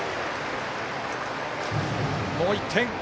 もう１点。